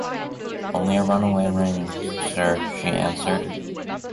"Only a runaway ring, sir," she answered.